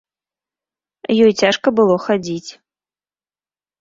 Ёй цяжка было хадзіць.